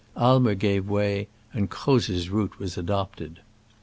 Aimer gave way, and Croz's route was adopted.